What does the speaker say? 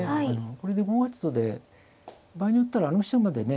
これで５八とで場合によったらあの飛車までね